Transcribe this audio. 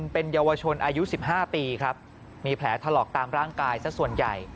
เป็นเยาวชนอายุ๑๕ปีครับมีแผลถลอกตามร่างกายสักส่วนใหญ่